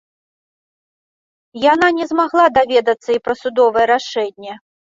Яна не змагла даведацца і пра судовае рашэнне.